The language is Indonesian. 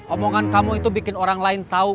omongan kamu itu bikin orang lain tahu